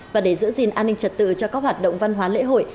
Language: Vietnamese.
và để giữ gìn an ninh trật tự cho các hoạt động văn hóa lễ hội